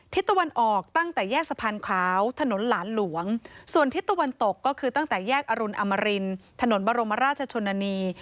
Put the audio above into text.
ตะวันออกตั้งแต่แยกสะพานขาวถนนหลานหลวงส่วนทิศตะวันตกก็คือตั้งแต่แยกอรุณอมรินถนนบรมราชชนนานี